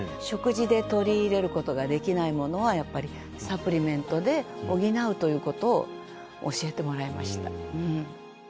食事で摂り入れることができないものはやっぱりサプリメントで補うということを教えてもらいました。